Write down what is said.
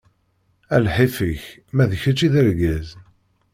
A lḥif-ik, ma d kečč i d argaz!